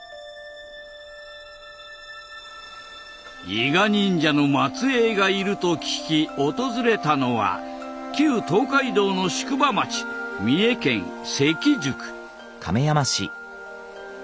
伊賀忍者の末裔がいると聞き訪れたのは旧東海道の宿場町三重県関宿。